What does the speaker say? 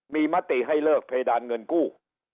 มีมติให้เลิกเพดานเงินกู้